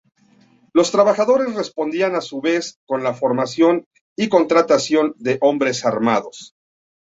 Los trabajadores respondían a su vez con la formación y contratación de hombres armados.